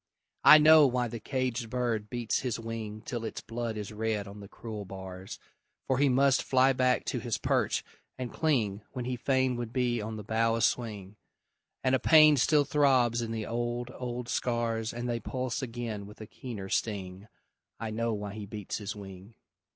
I know why the caged bird beats his wing Till its blood is red on the cruel bars; For he must fly back to his perch and cling When he fain would be on the bough a swing; And a pain still throbs in the old, old scars And they pulse again with a keener sting I know why he beats his wing!